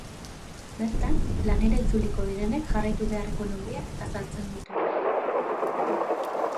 Bertan, lanera itzuliko direnek jarraitu beharreko neurriak azaltzen ditu.